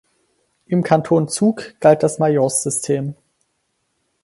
Im Kanton Zug galt das Majorzsystem.